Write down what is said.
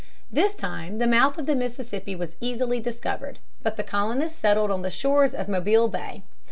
This time the mouth of the Mississippi was easily discovered. But the colonists settled on the shores of Mobile Bay.